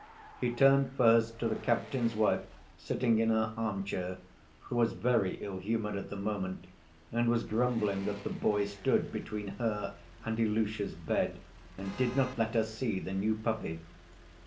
He turned first to the captain's wife sitting in her arm‐chair, who was very ill‐humored at the moment, and was grumbling that the boys stood between her and Ilusha's bed and did not let her see the new puppy.